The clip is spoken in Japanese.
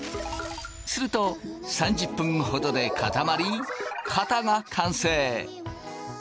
すると３０分ほどで固まり型が完成。